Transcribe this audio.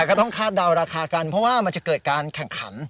ก็ต้องคาดเดาราคากันเพราะว่ามันจะเกิดการแข่งขัน